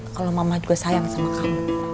kalau mama juga sayang sama kamu